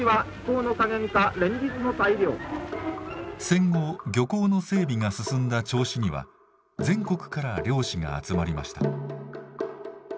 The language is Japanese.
戦後漁港の整備が進んだ銚子には全国から漁師が集まりました。